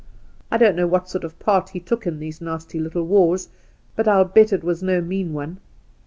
I don't know what sort of part he took in these nasty little wars, but I'U bet it was no mean one.